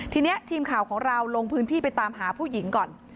ทีนี้ทีมข่าวของเราลงพื้นที่ไปตามหาผู้หญิงก่อน